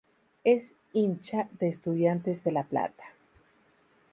Es hincha de Estudiantes de La Plata.